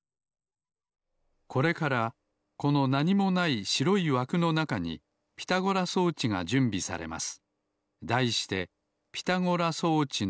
これからこのなにもないしろいわくのなかにピタゴラ装置がじゅんびされます。